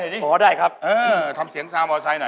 นั่นไหมฮะ